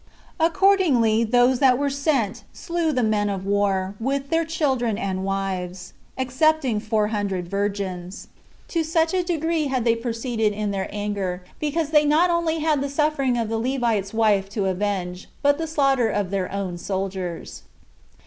Accordingly, those that were sent slew the men of war, with their children and wives, excepting four hundred virgins. To such a degree had they proceeded in their anger, because they not only had the suffering of the Levite's wife to avenge, but the slaughter of their own soldiers.